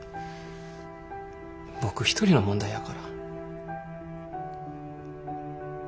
僕一人の問題やから。